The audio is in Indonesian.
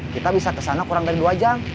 kita bisa kesana kurang dari dua jam